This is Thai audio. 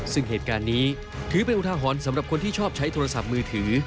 ซึ่งเหตุการณ์นี้ถือเป็นอุทาหรณ์สำหรับคนที่ชอบใช้โทรศัพท์มือถือ